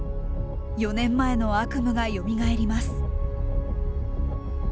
４年前の悪夢がよみがえります。